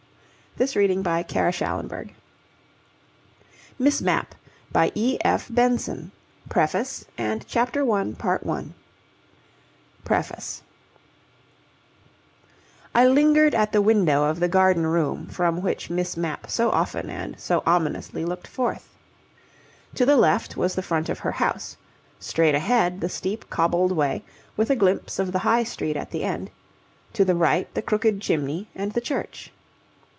Benson 1922 ("The Male Impersonator" first published 1929.) CONTENTS Miss Mapp The Male Impersonator PREFACE I lingered at the window of the garden room from which Miss Mapp so often and so ominously looked forth. To the left was the front of her house, straight ahead the steep cobbled way, with a glimpse of the High Street at the end, to the right the crooked chimney and the church.